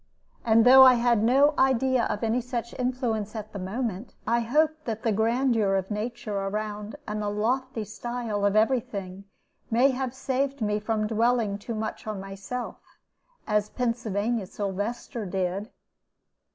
And though I had no idea of any such influence at the moment, I hope that the grandeur of nature around and the lofty style of every thing may have saved me from dwelling too much on myself, as Pennsylvania Sylvester did.